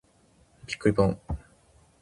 びっくりぽん。